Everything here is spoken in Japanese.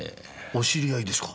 お知り合いですか？